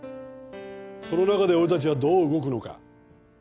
その中で俺たちはどう動くのか。